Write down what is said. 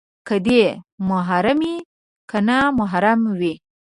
که دې محرمې، که نامحرمې دي